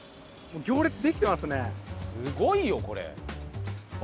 すごいよこれ。